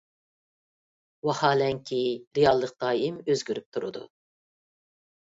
ۋاھالەنكى، رېئاللىق دائىم ئۆزگىرىپ تۇرىدۇ.